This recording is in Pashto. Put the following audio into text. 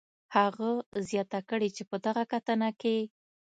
هغه زیاته کړې چې په دغه کتنه کې